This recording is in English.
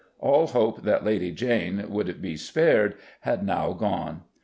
All hope that Lady Jane would be spared had now gone.